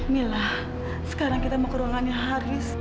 mila sekarang kita mau ke ruangannya haris